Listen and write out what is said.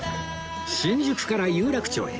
新宿から有楽町へ